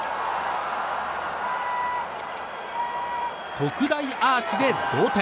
特大アーチで同点。